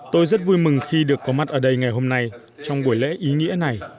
tôi rất vui mừng khi được có mặt ở đây ngày hôm nay trong buổi lễ ý nghĩa này